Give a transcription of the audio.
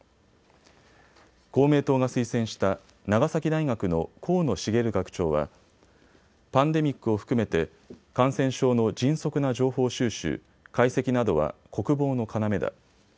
公明党が推薦した長崎大学の河野茂学長はパンデミックを含めて感染症の迅速な情報収集、解析などは国防の要だ。